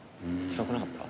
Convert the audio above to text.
つらくなかった？